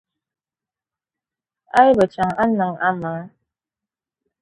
A yi bɛ chaŋ, a ni niŋ a maŋ.